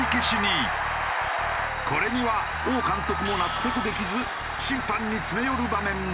これには王監督も納得できず審判に詰め寄る場面も。